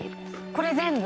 これ全部？